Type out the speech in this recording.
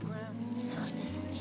そうですね。